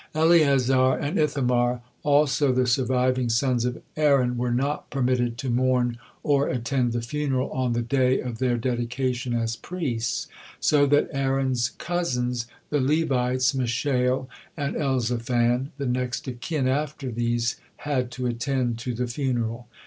Eleazar and Ithamar, also, the surviving sons of Aaron, were not permitted to mourn or attend the funeral on the day of their dedication as priests, so that Aaron's cousins, the Levites Mishael and Elzaphan, the next of kin after these had to attend to the funeral.